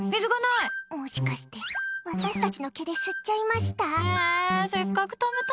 もしかして私たちの毛で吸っちゃいました？